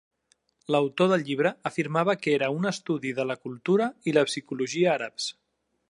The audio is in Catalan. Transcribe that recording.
L'autor del llibre afirmava que era un "estudi de la cultura i la psicologia àrabs".